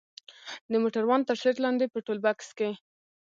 د موټروان تر سيټ لاندې په ټولبکس کښې.